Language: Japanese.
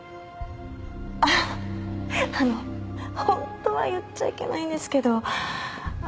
あっあの本当は言っちゃいけないんですけど。